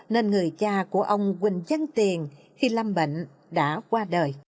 nên người cha của ông quỳnh văn tiền khi lâm bệnh đã qua đời